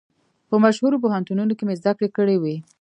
په مشهورو پوهنتونو کې مې زده کړې کړې وې.